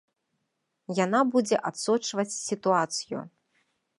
Яна будзе адсочваць сітуацыю.